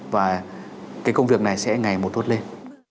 và công việc này sẽ ngày một tốt lên